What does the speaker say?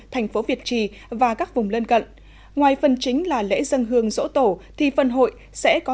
thành phố việt trì và các vùng lân cận ngoài phần chính là lễ dân hương dỗ tổ thì phần hội sẽ có